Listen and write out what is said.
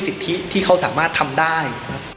สิทธิที่เขาสามารถทำได้